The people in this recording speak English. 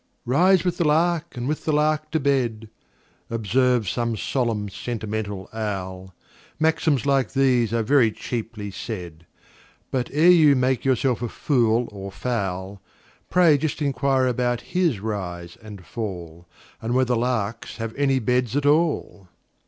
"Rise with the lark, and with the lark to bed,"Observes some solemn, sentimental owl; Maxims like these are very cheaply said; But, ere you make yourself a fool or fowl, Pray just inquire about his rise and fall, And whether larks have any beds at all!